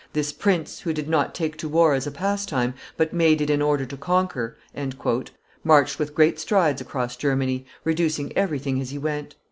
"This prince, who did not take to war as a pastime, but made it in order to conquer," marched with giant strides across Germany, reducing everything as he went.